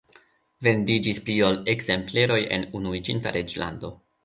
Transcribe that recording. Vendiĝis pli ol ekzempleroj en Unuiĝinta Reĝlando.